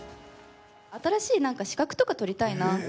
新しいなんか資格とか取りたいな。